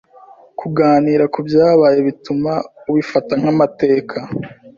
Kuganira ku byabaye bituma ubifata nk’amateka